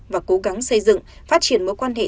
và cố gắng xây dựng phát triển mối quan hệ